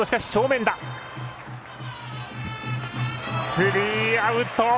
スリーアウト。